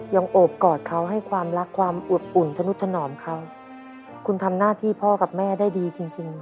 โอบกอดเขาให้ความรักความอุดอุ่นธนุษนอมเขาคุณทำหน้าที่พ่อกับแม่ได้ดีจริงจริง